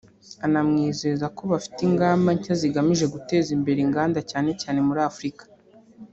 anamwizeza ko bafite ingamba nshya zigamije guteza imbere inganda cyane cyane muri Afurika